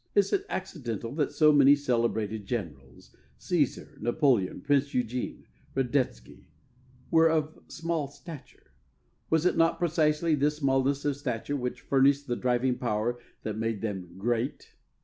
Is it accidental that so many celebrated generals Cæsar, Napoleon, Prince Eugene, Radetzky were of small stature? Was it not precisely this smallness of stature which furnished the driving power that made them "great"?